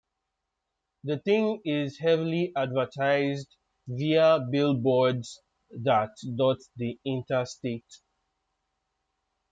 The Thing is heavily advertised via billboards that dot the interstate.